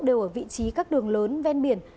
đều ở vị trí các đường lớn ven biển